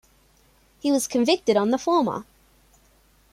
He was convicted on the former.